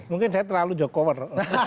mungkin saya terlalu jokower